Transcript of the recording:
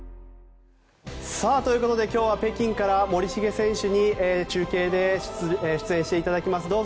ということで今日は北京から森重選手に中継で出演していただきます。